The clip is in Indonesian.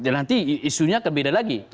nanti isunya akan beda lagi